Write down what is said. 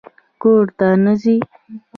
_کور ته نه ځې؟